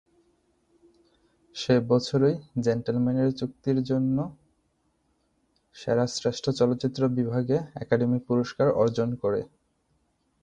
সে বছরই "জেন্টলম্যানের চুক্তির জন্য" সেরা শ্রেষ্ঠ চলচ্চিত্র বিভাগে একাডেমি পুরস্কার অর্জন করে।